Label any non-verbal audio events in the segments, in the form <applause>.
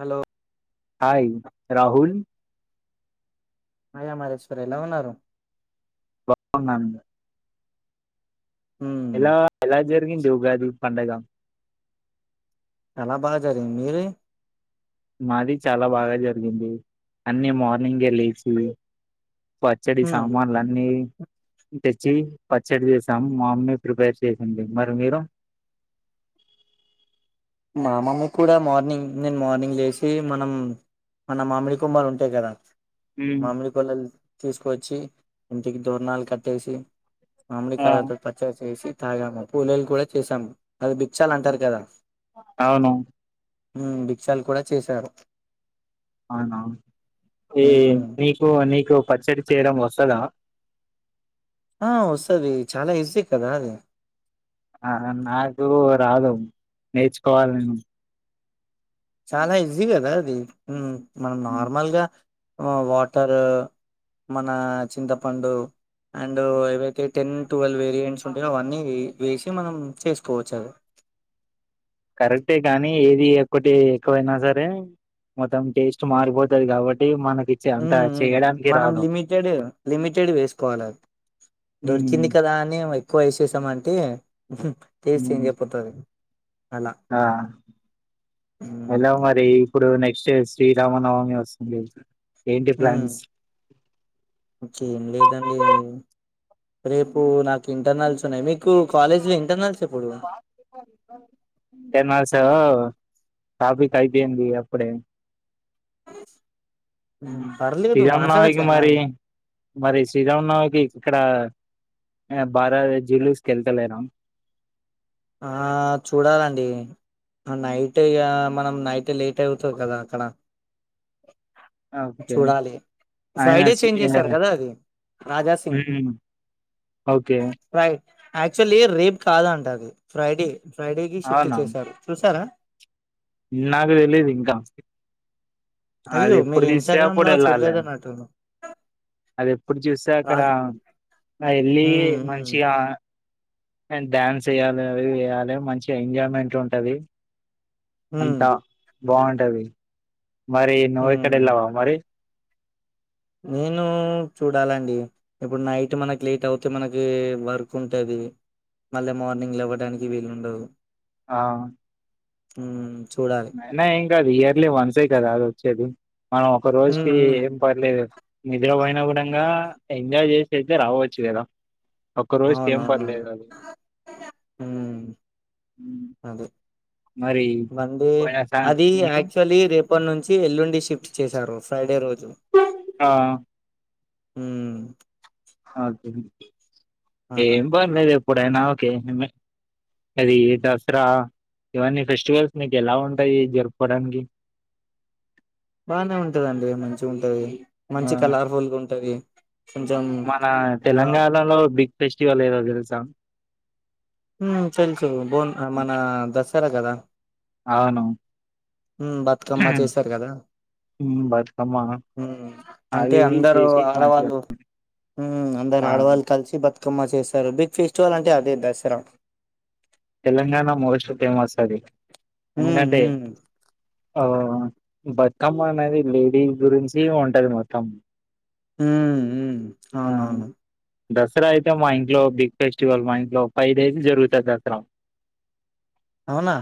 Hello hi Rahul మాయా మారశ్వర ఎలా ఉన్నారు న హ్మ్ ఎలా ఎలా జరిగింది ఉండ ండి ‌ ‌ఉగాది పండగ చాలా బాగా జరిగింది మీరు మాది చాలా బాగా జరిగింది అన్నిీ మార్నింగ్ే లేచి పచ్చడి హ్మ్ సామాన్లు అన్నీ తెచ్చి పచ్చడి చేసాం మా మమ్మీ ప్రిపేర్ చేసింది మరి మీరు మామమ్మ కూడా మార్నింగ్ నేను మార్నింగ్ లేసి మనం మన మామిడి కుమ్మలు ఉంటాయి కదా మ్మ్. మామిడి కొలా తీసుకవచ్చి ఇంటికి దోరణాలు కట్టేసి మామిడి ఆ కాయలతొపచ్చడి చేసి తాగామ్మా పూలేలు కూడా చేసాము అది బిక్షాలు అంటారు కదా <unintelligible> అవును భిక్షాలు కూడా చేశారు అవునా ఏ హ్మ్ నీకు నీకో పచ్చడి చేయడం వస్తుదా ఆ వస్తుంది చాలా ఈజీ కదా అది ఆ నాకు రాదు నేర్చుకోవాలి నేను చాలా ఇజీ కదా అది మనం నార్మల్ గా వాటర్ మన చింతపండు అండ్ ఏవైతే టెన్ ట్వెల్వ్ పంట్స్ ఉంటాయి అవన్నీ వేసి మనం చేసుకోవచ్చు అది కరెక్టే కానీ ఏది ఒక్కటి ఎక్కువైనా సరే మొత్తం టేస్ట్ మారిపోతది కాబట్టి మనకు మ్ మ్ మనం లిమిటెడ్ లిమిటెడ్ వేసుకోవాలి హ్మ్. దొరికింది కదా అని పోయేసేసాం అంటే అలా ఆ హ్మ్ ఎలా మరి ఇప్పుడు నెక్స్ట్ శ్రీరామన్ నవాంగ వం <unintelligible> హ ఇకేం లేదండి రేపు నాకు ఇంటర్నల్స్ ఉన్నాయి మీకు కాలేజ్ లో ఇంటర్నల్స్ ఎప్పుడు ఎన్ మా సో కాఫీ కాయిపోయింది అప్పుడే ఉమ్, పర్లేదు శ్రీరామనమికి మాట్లాడొచ్చానా మరి మరి శ్రీరామనమికి ఇక్కడ ఆయన బారా జీలుస్ కళ్తలేరా ఆ చూడాలండి నైట్ మనం నైట్ లేట్ అయివుతుంది కదా అక్కడ ఓకే చూడాలి ఆయన ఫ్రైడే సి చేంజ్ చేశారు కదా అది రాజాసింగ్ హ్మ్. ఓకే ఫ్రై యాక్చుల్లీ రేపు కాదంట అది ఫ్రైడే ఫ్రైడే కి షిఫ్ట్ అవునా చేశారు చూసారా నాకు తెలీదు ఇంకా అయ్యో అది ఎప్పుడు మీరు తీస్తే ఇన్స్టాగ్రామ్ లో కూడా వెళ్ళాలి చూడలేదన్నట్టు అది ఎప్పుడు చూస్తే అక్కడ రాజ్ వెళ్ళి ఉమ్ ఉమ్ మంచిగా అండ్ డ్యాన్స్ ఏయాలి అవి ఇవి చెయ్యాలి మంచి ఎంజాయ్మెంట్ ఉంటది ఉమ్ అంతా బాగుంటది మరి నోక్కడ ఉమ్. ఎల్లవా మరి నేను చూడాలండి ఇప్పుడు నైట్ మనకి లేట్ అవుతే మనకి వర్క్ ఉంటుంది మళ్ళీ మార్నింగ్లు ఇవ్వడానికి వీలుండదు ఆ హ అయినా ఏం కాదు ఇయర్లీ వన్సే కదా అది వచ్చేది మనం ఒక ఉమ్ రోజుకి ఉమ్ ఏం పర్లేదు నిద్ర పోన కూడాంగా ఎంజాయ్ చేసి అయితే రావచ్చు కదా ఒక్క రోజు ఏం అవునవునవును పర్లేదు అది మరి మంది పోయిన సా అది ఉమ్, యాక్చువల్లీ రేపటి నుంచి ఎల్లుండి షిఫ్ట్ చేసారు ఫ్రైడే రోజు ఆ హ్మ్ అదే అలా ఏం పనిలేదు ఎ ఎప్పుడైనా ఓకే <unintelligible> అది దసరా ఇవన్నీ ఫెస్టివల్స్ మీకు ఎలా ఉంటాయి జరుపుకోడానికి బానే ఉంటదండి మంచిగ ఉంటది ఆ మంచి కలర్ఫుల్గా ఉంటది. కొంచెం మన జాబ్ తెలంగాణలో బిగ్ ఫెస్టివల్ ఏదో తెలుసా ఆ తెలుసు బోనక మన దస సరదాగా అవును ఆ బతుకమ్మ చేసారు కదా ఉమ్, బతుకమ్మ అంటే అవి ఇవి అందరు చేసి మంచిగా ఆడవాళ్ళు అందరు ఆ ఆడవాళ్ళు కలిసి బతుకమ్ కమ్మ చేశారు బిగ్ ఫెస్టివల్ అంటే అదే దసరా తెలంగాణ మోస్ట్ ఫేమస్ అది ఈ ఈ ఓ బతుకమ్మ అనేది లేడీ గురించి ఉంటది మొత్తం మ్ మ్ ఆ అవునా అవును దసరా అయితే మా ఇంట్లో బిగ్ ఫెస్టివల్ మా ఇంట్లో ఫైవ్ డేస్ జరుగుతంది దసరా అవునా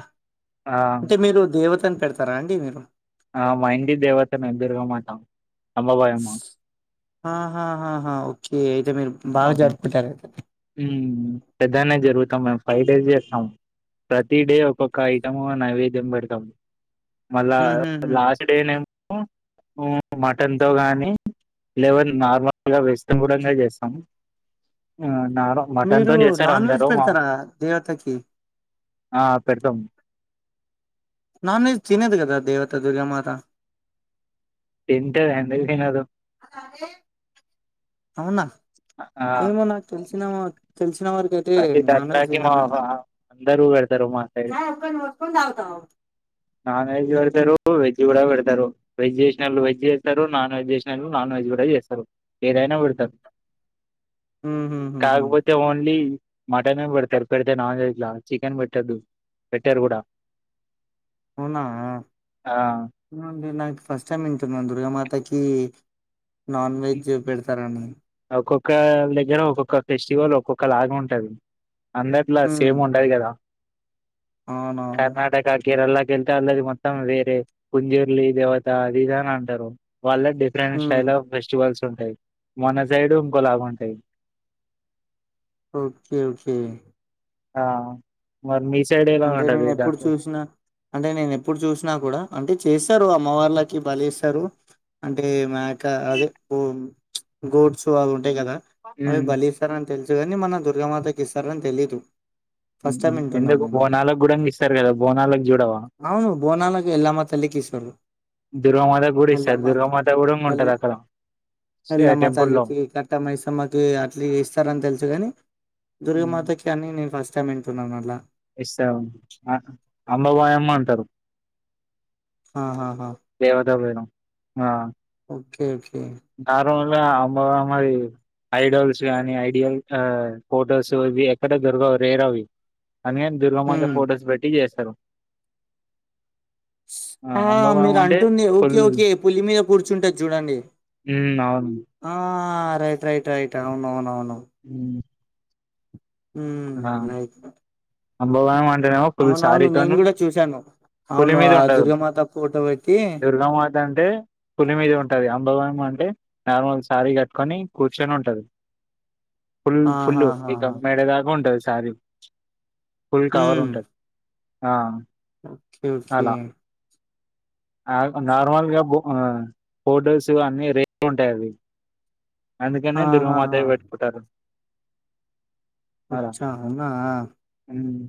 ఆ అంటే మీరు దేవత తని పెడతారా అండి మీరు ఆ మా ఇంటి దేవత మేం దుర్గము అంటాం హ హా హ ఓ ఏ మీరు బాగా జరుపుకుంటారు మ్ పొద్దనే జరుగుతాం మేము ఫైవ్ డేస్ చేస్తాము ప్రతి డే ఒక్కొక్క ఐటం నైవేద్యం పెడతాం. మళ్ళ హ్మ్ హ్మ్ హ్మ్ లాస్ట్ డే నెం ఉ మటన్ తో గాని లేవెన్ నార్మల్గా వెజిటెబుల్ అన్న చేస్తాం. ఆ మీరు నాన్ వెజ్ పెడతారా దేవతకి ఆ పెడతాం నాన్వెజ్ తినదు కదా దేవతా దుర్గ మాత తింటది ఎందుకు తినదు అవునా ఆ ఏమో నాకు తెలిసిన తెలిసిన వరకయితే నాన్వెజ్ తినదు. దరుగు <unintelligible> దూరమా సై నూతాగుతావ్ నాన్ వెజ్ పెడతారు వెజ్ కూడా పెడతారు వెజ్ చేసినోళ్లు వెజ్ చేస్తారు నాన్ వెజ్ చేసినోళ్లు నాన్ వెజ్ కూడా చేస్తారు ఏదైనా పెడతారు. ఉహుహుహు కాకపోతే ఓన్లీ మటన్ పెడతారు పెడితే నాన్ వెజ్లా చికెన్ పెట్టదు పెట్టారు కూడా అవునా ఆ <unintelligible> ఫస్ట్ టైమ్ వింటున్నాను దుర్గామాతకి నాన్ వెజ్ పెడతారనేది ఒక్క దగ్గర ఒక్కొక్క ఫెస్టివల్ ఒక్కొక్క లాగా ఉంటది అందట్లా ఉమ్ సేమ్ ఉండదు కదా అవునవును కర్ణాటక కేరళ <unintelligible> వాళ్ళది మొత్తం వేరే కుంజూర్లి దేవత అదిదాని అంటారు. వాళ్ళ డిఫరెంషా ఉమ్ లో బెస్ట్ కల్సి ఉంటాయి మన సైడ్ ఇంకో లాగా ఉంటాయి. ఓకే ఓకే ఆ మరి మీ సైడ్ ఎలా అంటే ఉంటది నేను ఎప్పుడు దసరా? చూసినా అంటే నేను ఎప్పుడు చూసినా కూడా అంటే చేస్తారు అమ్మవళ్ళకి బలి ఇస్తారు అంటే మా కా అదే గోట్స్ కవల టె కదా అదే ఉమ్, బలీసర అంత తెలుసు కాని మన దుర్గమాతకి ఇస్తారని తెలీదు హ్మ్ ఫస్ట్ హు టైం వింటున్నాను ఎందుకు నేను అది. బోనాలకు కూడా ఇస్తారు కదా బోనాలకు చూడవా అవును బోనాలకి ఎల్లమ్మ తల్లికి దుర్గామాత కూడా ఇస్తారు దుర్గామాత కూడా ఇస్తారులమ్మల్ ఉంటది అక్కడ ఎల్లమ్మ టెంపుల్ లో తల్లికి కట్టమ్మైసమ్మకి అట్ల ఇస్తారని తెలుసు కాని దుర్గమాతకి అని నేను ఫస్ట్ చమ్మీన్ తుం నల్ ఇస్తా అంబబయిమ్మ అంటారు ఆహాహా దేవత పోయినం ఆ మ్మ్ మ్మ్ అమ్మమ్మరి ఐడల్స్ కానీ ఐడియల్ ఫొటోస్ ఇవి ఎక్కడ దొరగవు రేర్ అవి అని దుర్గమత హ్మ్ ఫోటోస్ పెట్టి చేస్ తరు ఆ మీరు అంటుంది ఓకే ఫుల్ ఓకే పుల్లి మీద కూర్చుంటది చూడండి మ్ అవును ఆ రైట్ రైట్ రైట్ అవున అవునవును మ్మ్ అణా హ్మ్ రైట్ అంబవయం అంటేనేమో ఫుల్ అవునవును నేను శారీతోను కూడా చూశాను. పులి అవును మీద ఆ ఉండదు. దుర్గామాత ఫోటో పెట్టి దుర్గామాత అంటే పులి మీద ఉంటది అంబవయం అంటే. నార్మల్ శారీ కట్టుకొని కూర్చొని ఉంటది ఫుల్ ఫుల్లు ఆహాహా ఇ మేడేదా ఉంటది సారీ ఫుల్ కవర్ హ్మ్ ఉంటది ఆ ఓకే ఓకే అలా ఆ నార్మల్గా భూ ఆ ఫొటోస్ అన్ని రేట్లు ఉంటాయి అవి అందుకనే ఆహాహా దుర్గమాతవి వేట్కుంటారు అచ్చా అవునా ఉమ్.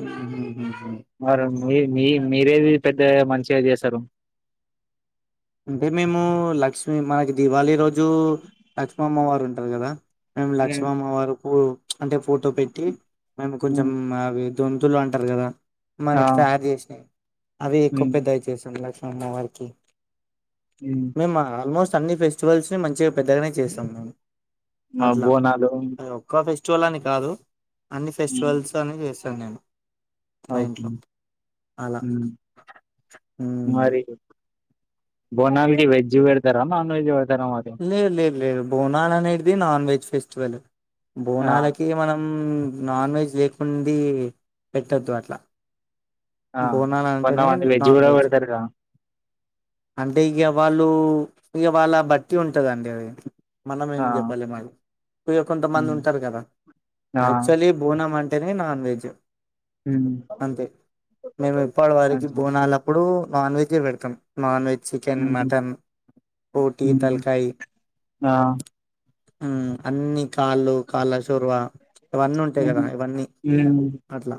మ్ హుమ్ ఉహుమ్ మరి మీ మీ మీరేది పెద్ద మంచిగాది చేస్తారు అంటే మేము లక్ష్మి మనకి దివాళి రోజు జు లక్ష్మమ్మవారు ఉంటారు కదా మేము లక్ష్మమ్మ వారుకు అంటే ఫోటో పెట్టి మేము కొంచెం అవి తొంతులు అంటారు కదా ఆ మనకి తయారు చేసినా అవి ఎక్కువ పెద్దవి చేస్తాము అమ్మవారికి మేమ్ ఆల్మోస్ట్ అన్ని ఫెస్టివల్స్ ని మంచిగా పెద్దగానే చేస్తాం మేము మా బోన్లు చాలని కాదు అన్ని ఫెస్టివల్స్ అని చేస్తారు తనేను అవుతుంది ఉమ్ ఉమ్. మరి బోనాలు కి వెజ్ వెడతారా నాన్ వెజ్ పెడతా లేదు లేదు లేదు బోనాలు అనేది నాన్ వెజ్ ఫస్ చూవలె ఆ బోనాలకి మనం ఉమ్ నాన్ వెజ్ లేకుండా పెట్టొద్దు అట్లా ఆ బోనాలు కొంద అంటేనే అంది వెజ్ నాన్ కూడా పెడతారుద అంటే ఇక వాళ్ళు ఇక వాళ్ళ బట్టి ఉంటదండి అది మనమేం ఆ జెప్పాలి మరి ఇగ కొంతమంది ఉమ్, ఉంటారు గదా, ఆ యాక్చువల్లీ బోనం అంటేనే నాన్ వె చెప్ మ్మ్ కా మేము ఎప్పడి వరికి బోనాల అప్పుడు వ నాన్ వెెజే వెడతాం నాన్ వెజ్ చికెన్ మటన్ బోటి తలకాయ్ ఆ ఉమ్ అన్ని కాళ్ళు కాళ్ళ చొరువ ఇవన్నీ ఉంటాయి కదా ఉమ్. ఇవన్నీ అట్లా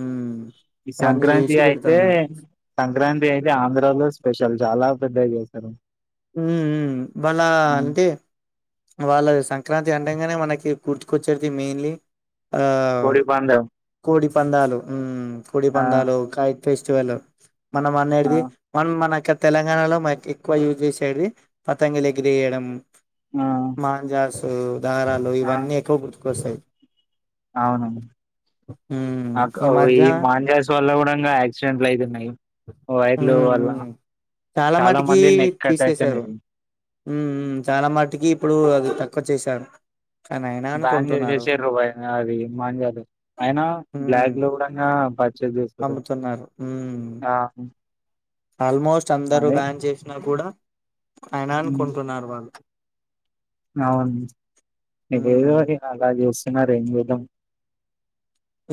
ఉమ్ ఈ అవన్నీ సంక్రాంతి చేసి అయితే పెడతాము సంక్రాంతి అయితే ఆంధ్రాలో స్పెషల్ చాలా పెధగా చీతారు ఉ ఉమ్మ్ భళా అంటే వాళ్ళ ద సంక్రాంతి అంటంగానే మనకి గుర్చుకొచ్చేది మెయిన్లీ ఆ కోడి పందెం కోడి ప్పందాలు మ్మ్ కుడి ఆ పందాలు కాయత్తేస్ చ్చువల్లో మనం ఆ అనేడిది మన్ మనకి ఆ తెలంగాణలో మట్టి ఎక్కువ యూజ్ చేసేది పతంగిలు ఎగిరేయడం ఆ మాంజాస్ ఓ దారాలు ఆ ఇవన్నీ ఎక్కువ గుర్తుకొస్తాయ్, అవును మ్మ్ ఈ మధ్య డంగా యాక్సిడెంట్లు అయితున్నయ్ మ్మ్ హ్మ్ చాలా మటుకి మంది నెక్ కట్ తీసేసారు, అయితున్నాయి మ్మ్ హ్మ్ చాలా మటుకి ఇప్పుడు అది తక్కు క్కువ చేశారు కానీ అయినా బ్యాన్ అనుకుంటున్నారు. చేసేసిర్రు ఐనా అది మాంజాలు అయినా హ్మ్. బ్లాక్ లో కూడా ఇంగా పర్చేజ్ చేసుకుంటురు అమ్ముతున్నారు. హ్మ్. ఆ, ఉమ్ ఆల్మోస్ట్ అందరూ బ్యాన్ చేసినా కూడా అయినాన్ కుంటున్నారు వాళ్ళు అవున్ ఉమ్ నాకేదోటి అలా జేస్ చ్చిన్నారు ఏం జేద్దాం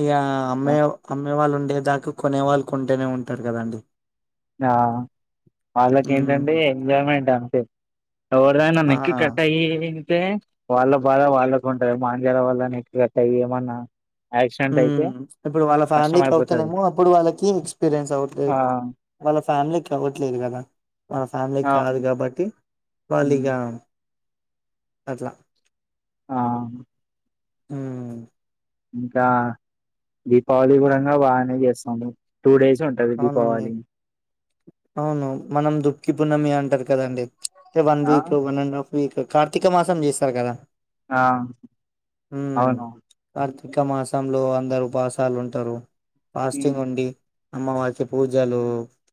ఇగ అమ్మయి అమ్మే వాళ్ళు ఉండేదాక్ కు కొనే వాళ్ళు కొంటనే ఉంటారు కదండి ఆ వాళ్ళకి ఉమ్ ఏంటంటే ఎంజాయ్మెంట్ అంతే, ఎవరిదైనా ఆ నెక్కి కట్ అయ్యి. తే వాళ్ళ బాధ వాళ్ళకు ఉంటయి, మాం చదవాళ్ళన్ ఎక్క్క గట్టా ఏమన్నా. యాక్సిడెంట్ అయితే హుమ్ ఇప్పుడు వాళ్ళ కష్టం ఫ్యామిలీకి అయిపోతది అవుతునేమో, అప్పుడు వాళ్ళకి ఎక్స్పీరియన్స్ అవుద్ది. ఆ వాళ్ళ ఫ్యామిలీకి కావ్వట్లేదు కదా వాళ్ళ ఫ్యామిలీ ఆ కాదు కాబట్టి వాళ్ళు ఇగ ఉమ్, అట్లా ఆ హ్మ్ ఇంకా దీపావళి కూడాంగా బాగానే చేస్తాం టూ డేస్ ఉంటది అవునండి దీపావళి అవును మనం దుఃఖి పున్నమి అంటారు కదండి చ్చే వన్ ఆ వీక్ లో వన్ అండ్ హఫ్ మీక్క కార్తీక మాసం చేస్తారు కదా ఆ అవునవున్ ర్తీక మాసంలో అందరూ ఉపాసాలు ఉంటరు పాస్టింగ్ ఉండి అమ్మ వారికి పూజలు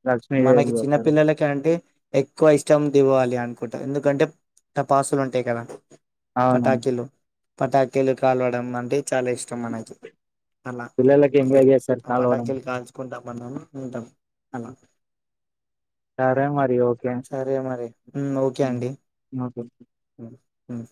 లక్ష్మీదేవి మనకి చేస్తారు చిన్నపిల్లలకి అంటే ఎక్కువ ఇష్టం దివ్వాలి అనుకుంటా ఎందుకంటే టపాసులు ఉంటాయి కదా అవును పటాసులు పటాకిలు కాలవడం అంటే చాలా ఇష్టం మనకి అలా పిల్లలకి ఎంజాయ్ చేస్తారు ఆ కలవడం పటాకిలి కాల్చ్ దా మనం ముందాం అన్నా సరే మరి ఓకే మరి ఉమ్, మ్ ఓక్ హ్మ్